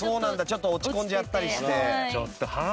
ちょっと落ち込んじゃったりして。